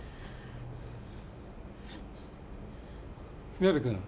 宮部君。